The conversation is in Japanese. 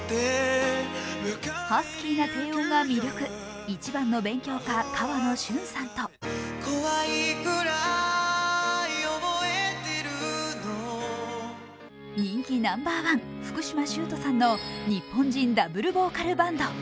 注目はハスキーな低音が魅力、一番の勉強家・かわのしゅんさんと人気ナンバーワン、ふくしましゅうとさんの日本人ダブルボーカルバンド。